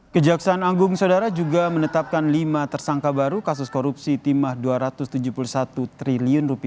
kejaksaan agung saudara juga menetapkan lima tersangka baru kasus korupsi timah rp dua ratus tujuh puluh satu triliun